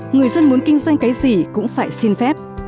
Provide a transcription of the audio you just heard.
người dân muốn kinh doanh cái gì cũng phải xin phép